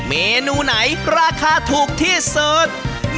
เมนูไหนราคาถูกที่สุด